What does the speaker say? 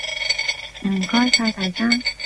唔該晒大家！